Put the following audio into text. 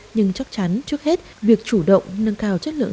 nhưng chắc chắn trước hết việc chủ động nâng cao chất lượng